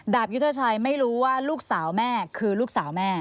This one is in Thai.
ยุทธชัยไม่รู้ว่าลูกสาวแม่คือลูกสาวแม่